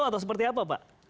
atau seperti apa pak